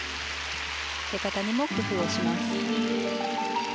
出方にも工夫をします。